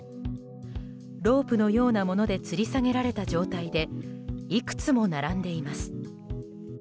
ロープのようなものでつり下げられた状態でいくつも並んでいます。